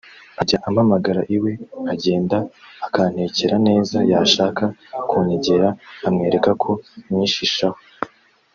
ajya ampamagara iwe nkajyenda akantekera neza yashaka kunyegera nkamwereka ko mwishishaho